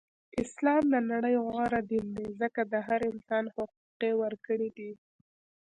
اسلام د نړی غوره دین دی ځکه د هر انسان حقوق یی ورکړی دی.